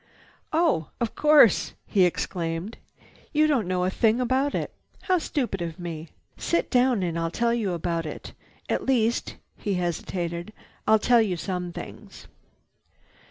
"Oh! Of course!" he exclaimed. "You don't know a thing about it! How stupid of me! Sit down and I'll tell you about it. At least—" he hesitated, "I'll tell you some things."